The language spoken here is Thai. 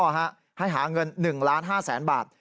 ให้หาเงิน๑๕๐๐๐๐๐บาท